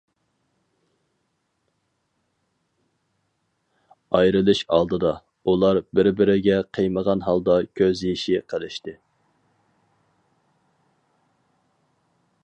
ئايرىلىش ئالدىدا، ئۇلار بىر- بىرىگە قىيمىغان ھالدا كۆز يېشى قىلىشتى.